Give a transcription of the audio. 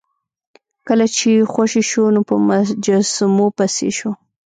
کله چې خوشې شو نو په مجسمو پسې شو.